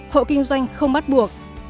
hộ kinh doanh không bắt buộc